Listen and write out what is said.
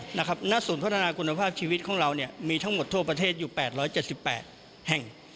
หน้าศูนย์พัฒนาคุณภาพชีวิตของเรามีทั้งหมดทั่วประเทศอยู่๘๗๘แห่ง